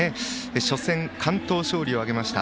初戦、完投勝利を挙げました。